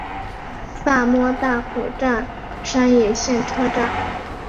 萨摩大口站山野线车站。